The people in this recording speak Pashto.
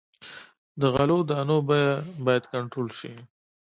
د غلو دانو بیه باید کنټرول شي.